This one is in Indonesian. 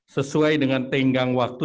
sesuai dengan tenggang waktu